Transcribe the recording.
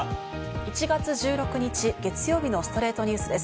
１月１６日、月曜日の『ストレイトニュース』です。